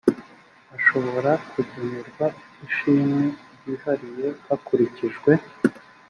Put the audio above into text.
ashobora kugenerwa ishimwe ryihariye hakurikijwe